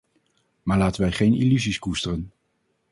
Maar laten wij geen illusies koesteren!